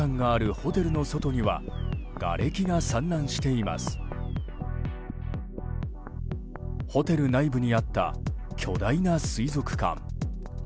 ホテル内部にあった巨大な水族館。